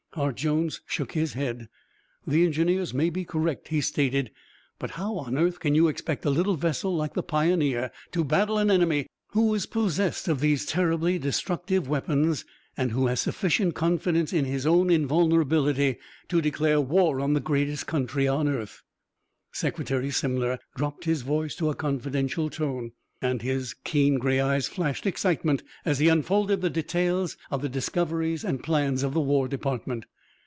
Hart Jones shook his head. "The engineers may be correct," he stated; "but how on earth can you expect a little vessel like the Pioneer to battle an enemy who is possessed of these terribly destructive weapons and who has sufficient confidence in his own invulnerability to declare war on the greatest country on earth?" Secretary Simler dropped his voice to a confidential tone, and his keen gray eyes flashed excitement as he unfolded the details of the discoveries and plans of the War Department.